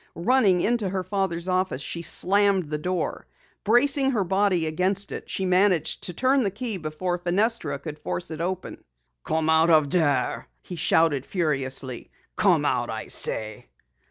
Running into her father's office, she slammed the door. Bracing her body against it, she managed to turn the key before Fenestra could force it open. "Come out of there!" he shouted furiously. "Come out, I say!"